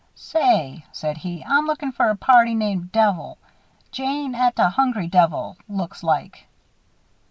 "Say," said he, "I'm looking for a party named 'Devil' Jane et a Hungry Devil, looks like."